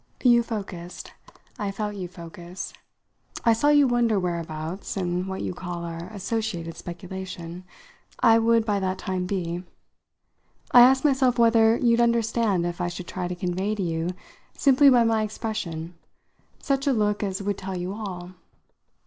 You focussed I felt you focus. I saw you wonder whereabouts, in what you call our associated speculation, I would by that time be. I asked myself whether you'd understand if I should try to convey to you simply by my expression such a look as would tell you all.